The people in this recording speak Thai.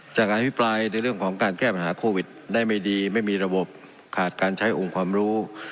การอภิปรายในเรื่องของการแก้ปัญหาโควิดได้ไม่ดีไม่มีระบบขาดการใช้องค์ความรู้